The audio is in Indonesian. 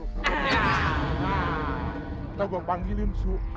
nah atau gue panggilin su acai